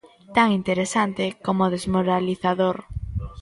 Tan interesante como desmoralizador.